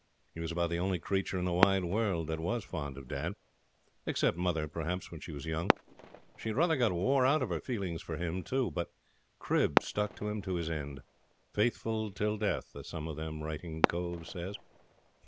He was about the only creature in the wide world that was fond of dad except mother, perhaps, when she was young. She'd rather got wore out of her feelings for him, too. But Crib stuck to him to his end faithful till death, as some of them writing coves says.